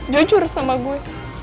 jujur sama gue